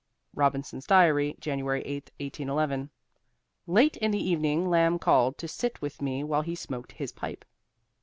ROBINSON'S DIARY, January 8, 1811. Late in the evening Lamb called, to sit with me while he smoked his pipe.